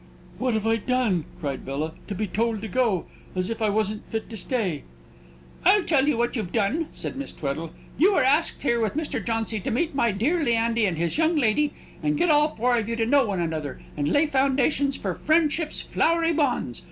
"What have I done," cried Bella, "to be told to go, as if I wasn't fit to stay?" "I'll tell you what you've done," said Miss Tweddle. "You were asked here with Mr. Jauncy to meet my dear Leandy and his young lady, and get all four of you to know one another, and lay foundations for Friendship's flowery bonds.